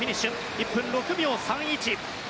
１分６秒３１。